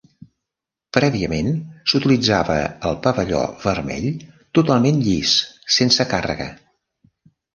Prèviament s'utilitzava el pavelló vermell totalment llis, sense càrrega.